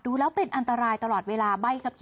ดูแล้วเป็นอันตรายตลอดเวลา